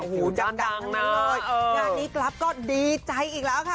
หูดังน้อยงานนี้กลั๊ฟก็ดีใจอีกแล้วค่ะ